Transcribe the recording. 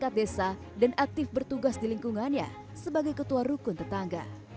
tingkat desa dan aktif bertugas di lingkungannya sebagai ketua rukun tetangga